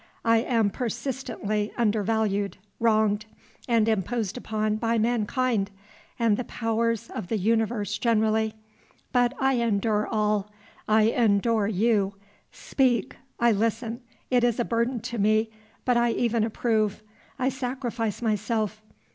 I am persistently undervalued, wronged, and imposed upon by mankind and the powers of the universe generally. But I endure all. I endure you. Speak. I listen. It is a burden to me, but I even approve. I sacrifice myself.